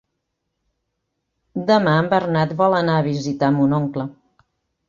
Demà en Bernat vol anar a visitar mon oncle.